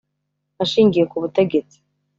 ashingiye ku butegetsi